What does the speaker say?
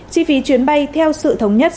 chi phí chuyến bay theo sự thống nhất